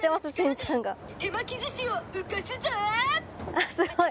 あっすごい。